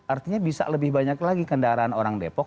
artinya bisa lebih banyak lagi kendaraan orang depok